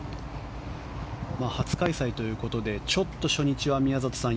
初開催ということでちょっと初日は宮里さん